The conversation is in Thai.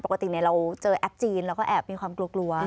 ปกติเราเจอแอปจีนเราก็แอบมีความกลัวกลัว